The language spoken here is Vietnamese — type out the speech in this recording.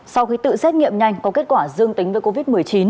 sau khi tự xét nghiệm nhanh có kết quả dương tính với covid một mươi chín